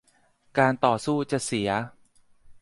การต่อสู้จะเสีย